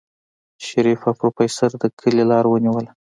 شريف او پروفيسر د کلي لار ونيوله.